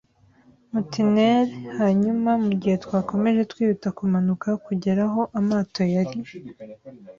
mutineers, hanyuma mugihe twakomeje twihuta kumanuka kugera aho amato yari